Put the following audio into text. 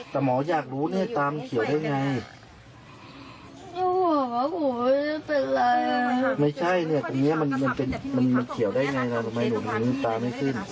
แต่หมออยากรู้ทุนนี่มาใส่ตามเขียวได้ไหม